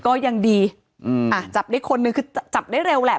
ก็ยังดีอืมอ่ะจับได้คนนึงคือจับได้เร็วแหละ